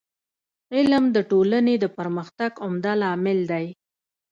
علم د ټولني د پرمختګ عمده لامل دی.